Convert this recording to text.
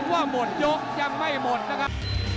คุณคิดว่าหมดยกยังไม่หมดนะครับ